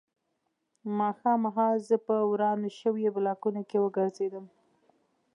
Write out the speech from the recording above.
ماښام مهال زه په ورانو شویو بلاکونو کې وګرځېدم